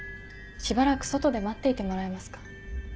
しばらく外で待っていてもらえますか？